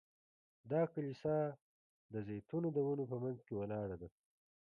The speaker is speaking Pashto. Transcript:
دا کلیسا د زیتونو د ونو په منځ کې ولاړه ده.